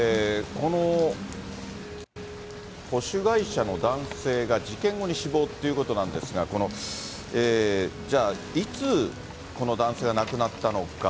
この保守会社の男性が事件後に死亡ということなんですが、じゃあ、いつ、この男性が亡くなったのか。